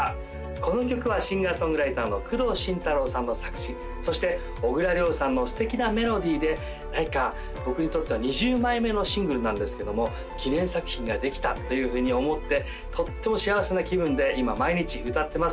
この曲はシンガー・ソングライターの工藤慎太郎さんの作詞そして小倉良さんの素敵なメロディーで僕にとっては２０枚目のシングルなんですけども記念作品ができたというふうに思ってとっても幸せな気分で今毎日歌ってます